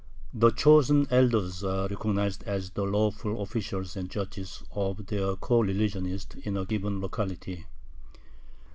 The chosen elders are recognized as the lawful officials and judges of their coreligionists in a given locality.